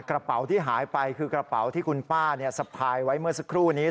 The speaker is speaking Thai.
กระเป๋าที่หายไปคือกระเป๋าที่คุณป้าสะพายไว้เมื่อสักครู่นี้